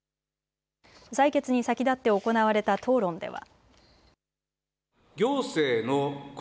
採決に先立って行われた討論では。